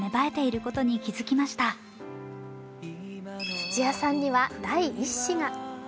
土屋さんには第１子が。